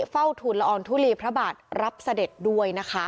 เฝ้าทุนละอองทุลีพระบาทรับเสด็จด้วยนะคะ